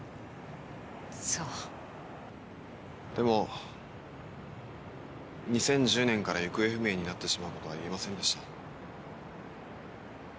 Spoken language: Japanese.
でも２０１０年から行方不明になってしまう事は言えませんでした。